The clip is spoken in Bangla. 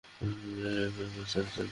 হেই, ফ্রাংক, আস্তে খা।